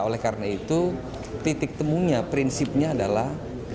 oleh karena itu titik temunya prinsipnya adalah